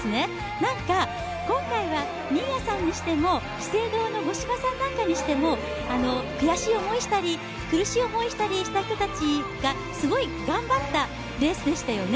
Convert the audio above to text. なんか今回は新谷さんにしても、資生堂の五島さんなんかにしても悔しい思いしたり、苦しい思いした人たちがすごい頑張ったレースでしたよね。